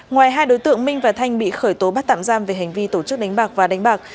ngoài hai đối tượng minh và thanh bị khởi tố bắt tạm giam về hành vi tổ chức đánh bạc và đánh bạc